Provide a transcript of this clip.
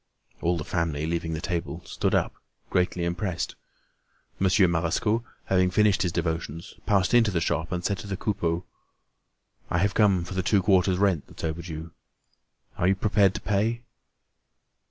All the family, leaving the table, stood up, greatly impressed. Monsieur Marescot, having finished his devotions, passed into the shop and said to the Coupeaus: "I have come for the two quarters' rent that's overdue. Are you prepared to pay?"